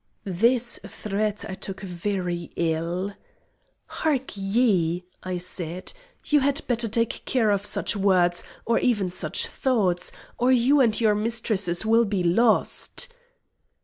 This threat I took very ill. "Hark ye," said I, "you had better take care of such words, or even such thoughts, or you and your mistresses will be lost!"